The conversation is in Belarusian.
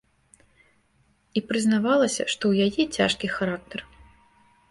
І прызнавалася, што ў яе цяжкі характар.